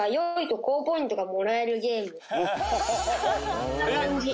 こんな感じ。